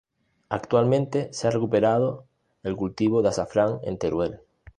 Actualmente se ha recuperado el cultivo de azafrán en Teruel.